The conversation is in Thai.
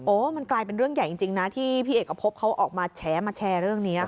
มันกลายเป็นเรื่องใหญ่จริงนะที่พี่เอกพบเขาออกมาแฉมาแชร์เรื่องนี้